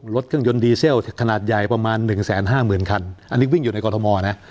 รถเครื่องยนต์ดีเซลขนาดใหญ่ประมาณหนึ่งแสนห้าหมื่นคันอันนี้วิ่งอยู่ในกรทมนะ